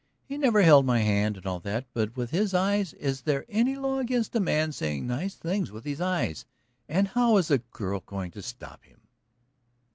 "He never held my hand and all that. But with his eyes. Is there any law against a man saying nice things with his eyes? And how is a girl going to stop him?"